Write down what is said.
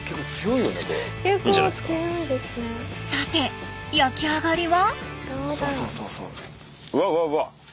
さて焼き上がりは？